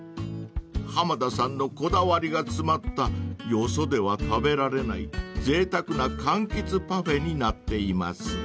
［濱田さんのこだわりが詰まったよそでは食べられないぜいたくな柑橘パフェになっています］